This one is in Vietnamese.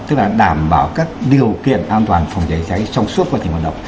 tức là đảm bảo các điều kiện an toàn phòng cháy cháy trong suốt quá trình hoạt động